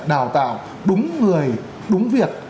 đào tạo đúng người đúng việc